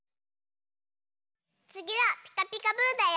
つぎは「ピカピカブ！」だよ！